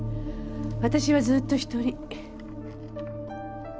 私はずっと独り。